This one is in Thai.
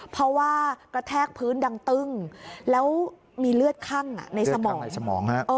เพราะว่ากระแทกพื้นดังตึ้งแล้วมีเลือดคั่งในสมองในสมองฮะ